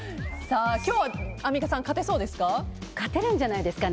今日はアンミカさん勝てそうですか？